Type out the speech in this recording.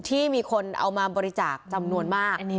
ที่มีคนเอามาบริจาคจำนวนมาก